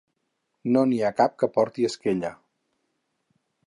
No n'hi ha cap que porti esquella.